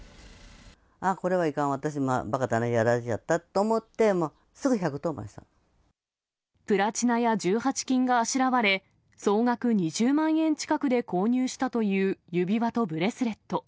あっ、これはいかんわ、ばかだね、やられちゃったと思って、すぐプラチナや１８金があしらわれ、総額２０万円近くで購入したという指輪とブレスレット。